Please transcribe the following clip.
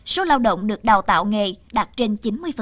số lao động được đào tạo nghề đạt trên chín mươi